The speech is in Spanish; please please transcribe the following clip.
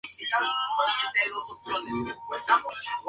Toscanini no volvió a tener la música hasta un día antes del estreno.